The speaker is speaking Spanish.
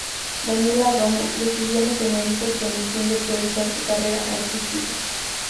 Daniela Romo decidió no tener hijos con el fin de priorizar su carrera artística.